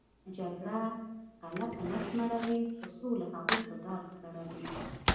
جګړه غلۀ په نس مړؤی خو سوله هغوې په دار ځړؤی